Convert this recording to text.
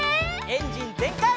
エンジンぜんかい！